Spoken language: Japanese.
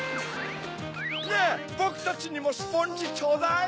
ねぇぼくたちにもスポンジちょうだい。